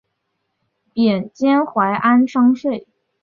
贬监怀安商税。